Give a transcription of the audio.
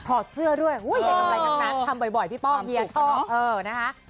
ถอดเสื้อด้วยทำบ่อยพี่ป้องเฮียชอบ